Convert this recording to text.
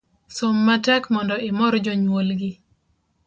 Som matek mondo imor jonyuol gi